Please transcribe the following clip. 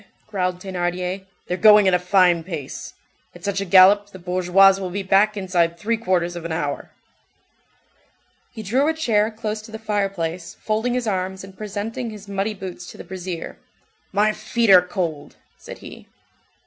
growled Thénardier. "They're going at a fine pace. At such a gallop, the bourgeoise will be back inside three quarters of an hour." He drew a chair close to the fireplace, folding his arms, and presenting his muddy boots to the brazier. "My feet are cold!" said he.